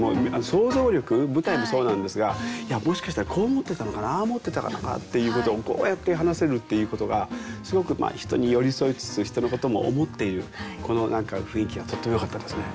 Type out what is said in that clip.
想像力舞台もそうなんですがもしかしたらこう思ってたのかなああ思ってたかなっていうことをこうやって話せるっていうことがすごく人に寄り添いつつ人のことも思っているこの雰囲気がとってもよかったですね。